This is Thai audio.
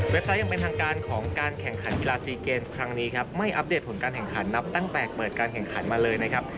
ไซต์ยังเป็นทางการของการแข่งขันกีฬาซีเกมครั้งนี้ครับไม่อัปเดตผลการแข่งขันนับตั้งแต่เปิดการแข่งขันมาเลยนะครับ